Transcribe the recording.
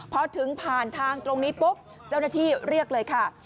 พอถึงผ่านทางตรงนี้ปุ๊บเจ้าหน้าที่เรียกเลยค่ะ